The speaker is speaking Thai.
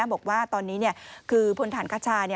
บอกว่าตอนนี้คือพลฐานคชา